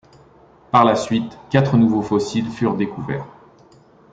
Par la suite, quatre nouveaux fossiles furent découverts.